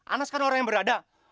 anas kan orang yang berada